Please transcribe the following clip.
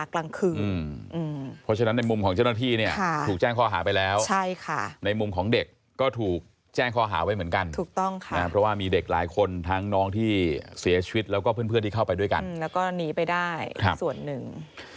ของเด็กก็ถูกแจ้งคอหาไว้เหมือนกันถูกต้องค่ะเพราะว่ามีเด็กหลายคนทั้งน้องที่เสียชีวิตแล้วก็เพื่อนที่เข้าไปด้วยกันแล้วก็หนีไปได้ส่วนหนึ่ง